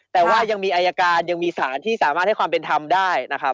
แต่ว่ายังมีอายการยังมีสารที่สามารถให้ความเป็นธรรมได้นะครับ